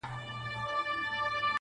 هغې ويله ځمه د سنگسار مخه يې نيسم.